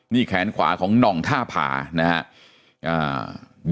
นี่แขนขวาของนองท่าผ่านะฮะ